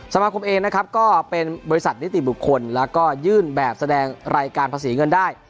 สมาคมเองก็เป็นบริษัทนิติบุคคลยื่นแบบแสดงรายการภาษีเงินได้